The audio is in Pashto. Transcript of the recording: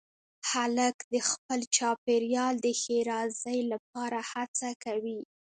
هلک د خپل چاپېریال د ښېرازۍ لپاره هڅه کوي.